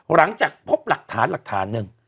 หลังจากพบหลักฐานหลักฐานหนึ่ง